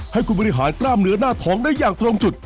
ให้คุณบริหารกล้ามเนื้อหน้าท้องได้อย่างตรงจุด